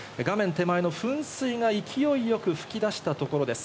手前の噴水が勢いよく噴き出したところです。